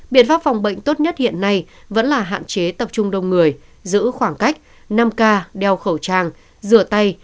biện pháp phòng bệnh tốt nhất hiện nay vẫn là hạn chế tập trung đông người giữ khoảng cách năm k đeo khẩu trang rửa tay